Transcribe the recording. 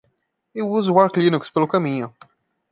Eu uso o Arch Linux pelo caminho.